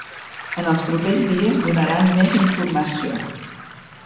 En els propers dies donaran més informació.